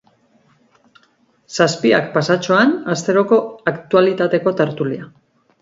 Zazpiak pasatxoan, asteroko aktualitateko tertulia.